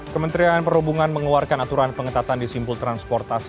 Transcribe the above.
kementerian perhubungan mengeluarkan aturan pengetatan di simpul transportasi